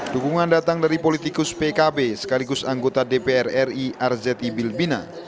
dukungan datang dari politikus pkb sekaligus anggota dpr ri rz i bilbina